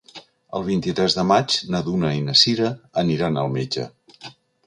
El vint-i-tres de maig na Duna i na Sira aniran al metge.